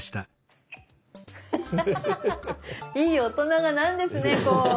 いい大人がなるんですねこう。